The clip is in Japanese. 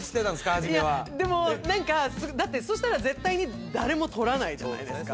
初めはいやでも何かだってそしたら絶対に誰も取らないじゃないですか